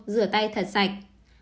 một rửa tay thật sạch